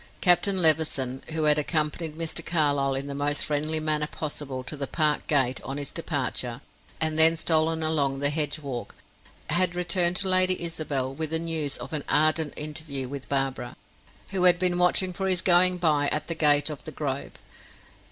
Captain Levison, who had accompanied Mr. Carlyle in the most friendly manner possible to the park gate on his departure, and then stolen along the hedgewalk, had returned to Lady Isabel with the news of an "ardent" interview with Barbara, who had been watching for his going by at the gate of the grove.